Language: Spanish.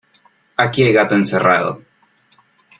Aquí hay gato encerrado.